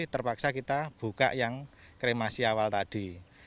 terpaksa kita buka yang kremasi awal tadi